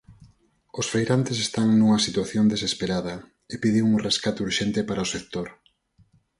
Os feirantes están nunha situación desesperada, e piden un rescate urxente para o sector.